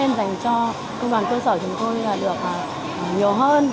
dành cho công đoàn cơ sở chúng tôi là được nhiều hơn